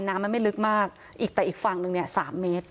น้ำมันไม่ลึกมากอีกแต่อีกฝั่งนึงเนี่ย๓เมตร